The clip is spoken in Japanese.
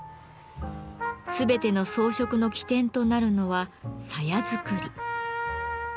全ての装飾の起点となるのは鞘作り。